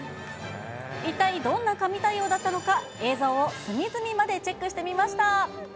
一体どんな神対応だったのか、映像を隅々までチェックしてみました。